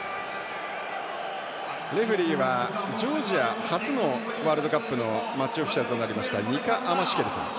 レフリーはジョージア初のワールドカップのマッチオフィシャルとなりましたニカ・アマシュケリさん。